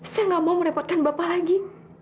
saya gak mau merepotkan bapak lagi